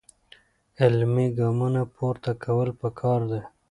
عملي ګامونه پورته کول پکار دي.